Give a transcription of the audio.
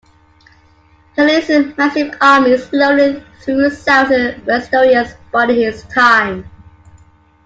He leads his massive army slowly through southern Westeros, biding his time.